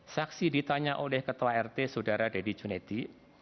saksi ditanya oleh ketua rt saudara deddy cunedi